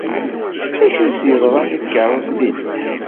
D acu ay as-yeḍran i tkeṛṛust-inu?